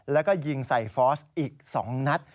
แล้วก็ยิงใส่ฟอสอีก๒นัด